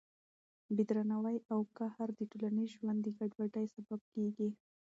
بې درناوي او قهر د ټولنیز ژوند د ګډوډۍ سبب کېږي.